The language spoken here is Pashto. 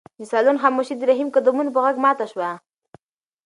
د صالون خاموشي د رحیم د قدمونو په غږ ماته شوه.